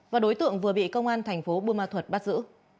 và đối tượng vừa bị công an thành phố buôn ma thuật bắt giữ